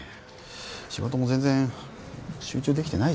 仕事も全然集中できてないじゃない。